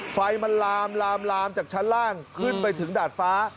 ไฟมันลามลามลามจากชั้นล่างขึ้นไปถึงดาดฟ้า